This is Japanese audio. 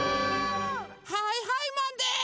はいはいマンです！